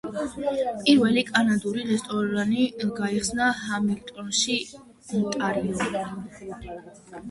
პირველი კანადური რესტორანი გაიხსნა ჰამილტონში, ონტარიო.